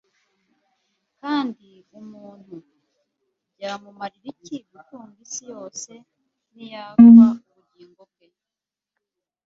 kandi umuntu byamumarira iki gutunga isi yose niyakwa ubugingo bwe?